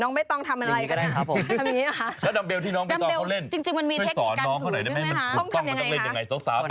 น้องใบตองทำอะไรก็ได้ครับผมทำอย่างงี้หรอฮะแล้วดำเบลที่น้องใบตองเขาเล่น